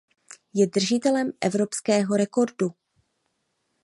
Je držitelem evropského rekordu.